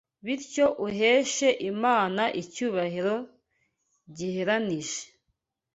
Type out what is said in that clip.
bityo uheshe Imana icyubahiro giheranije.